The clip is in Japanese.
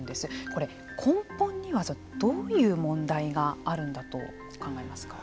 これ、根本にはどういう問題があるんだと考えますか。